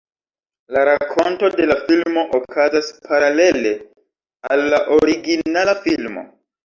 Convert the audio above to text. La rakonto de la filmo okazas paralele al la originala filmo.